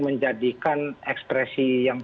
menjadikan ekspresi yang